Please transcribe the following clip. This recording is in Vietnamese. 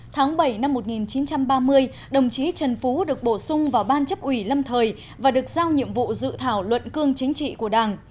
tháng bảy năm một nghìn chín trăm ba mươi đồng chí trần phú được bổ sung vào ban chấp ủy lâm thời và được giao nhiệm vụ dự thảo luận cương chính trị của đảng